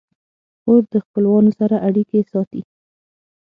خور د خپلوانو سره اړیکې ساتي.